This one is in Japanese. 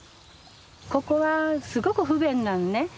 ここはすごく不便なのね。